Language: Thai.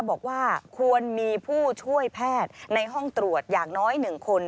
บอกว่าควรมีผู้ช่วยแพทย์ในห้องตรวจอย่างน้อย๑คน